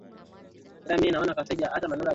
mashua ilianza kushuka ndani ya maji